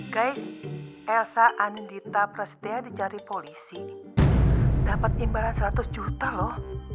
guys elsa andita prasetya di cari polisi dapet imbaran seratus juta loh